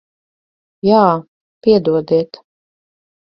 Jā. Piedodiet.